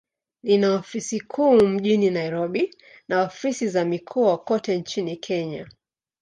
Lina ofisi kuu mjini Nairobi, na ofisi za mikoa kote nchini Kenya.